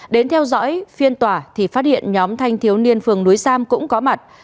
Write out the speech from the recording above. đến theo dõi phiên tòa thì phát hiện nhóm thanh thiếu niên phường núi sam cũng có mặt